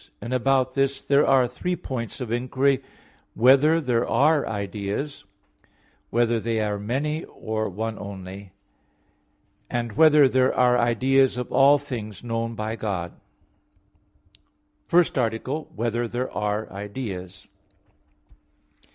And about this there are three points of inquiry: (1) Whether there are ideas? (2) Whether they are many, or one only? (3) Whether there are ideas of all things known by God? _______________________ FIRST ARTICLE [I, Q. 15, Art. 1] Whether There Are Ideas?